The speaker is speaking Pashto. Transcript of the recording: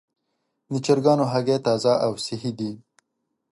د چرګانو هګۍ تازه او صحي دي.